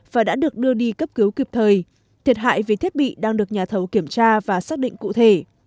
và đã được đưa đi cấp cứu kịp thời thiệt hại về thiết bị đang được nhà thầu kiểm tra và xác định cụ thể